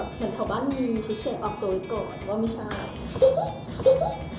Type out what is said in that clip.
เหมือนแถวบ้านมีชิ้นคือก่อนก็ไม่ใช่